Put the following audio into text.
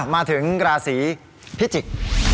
มาถึงราศีพิจิกษ์